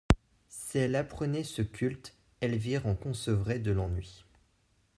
Si elle apprenait ce culte, Elvire en concevrait de l'ennui.